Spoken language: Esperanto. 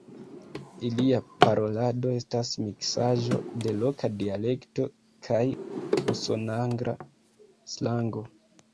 Ilia parolado estas miksaĵo de loka dialekto kaj usonangla slango.